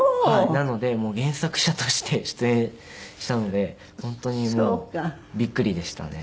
なので原作者として出演したので本当にびっくりでしたね。